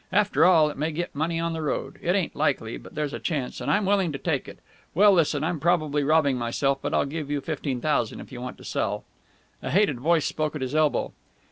After all, it may get money on the road. It ain't likely, but there's a chance, and I'm willing to take it. Well, listen, I'm probably robbing myself, but I'll give you fifteen thousand if you want to sell." A hated voice spoke at his elbow.